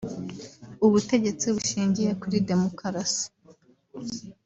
ubutegetsi bushingiye kuri Demokarasi